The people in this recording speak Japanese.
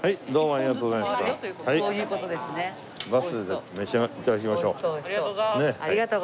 ありがとうございます。